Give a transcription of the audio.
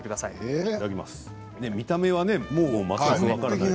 見た目は分からない。